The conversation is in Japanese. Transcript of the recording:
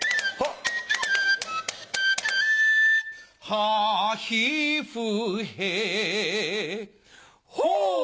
はひふへほぅ！